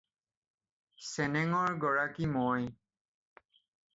চেনেঙৰ গৰাকী মই